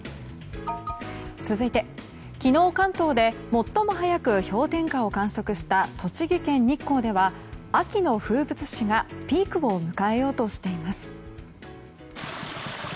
続いて昨日、関東で最も早く氷点下を観測した栃木県日光では秋の風物詩がピークを迎えようとしています。